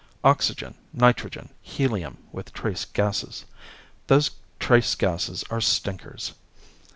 Oxygen, nitrogen, helium, with trace gases. Those trace gases are stinkers.